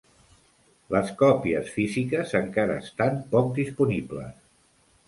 Les còpies físiques encara estan poc disponibles.